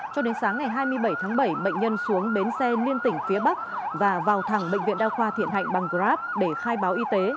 cho đến sáng ngày hai mươi bảy tháng bảy bệnh nhân xuống bến xe liên tỉnh phía bắc và vào thẳng bệnh viện đa khoa thiện hạnh bằng grab để khai báo y tế